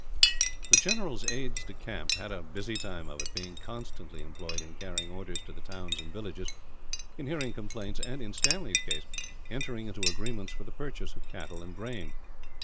The general's aides de camp had a busy time of it, being constantly employed in carrying orders to the towns and villages, in hearing complaints and, in Stanley's case, entering into agreements for the purchase of cattle and grain.